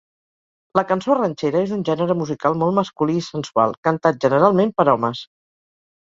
La cançó ranxera és un gènere musical molt masculí i sensual, cantat generalment per homes.